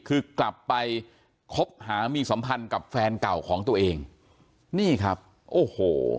คือกลับไปคบหามีสัมพันธ์กับแฟนเก่าของตัวเองนี่ครับโอ้โห